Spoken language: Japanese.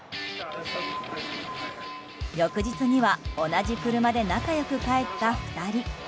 翌日には同じ車で仲良く帰った２人。